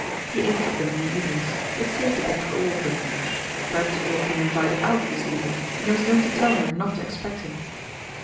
He ate with them in the evenings; it saved a bit for all of them. But he had been invited out this evening and he was going to tell her not to expect him.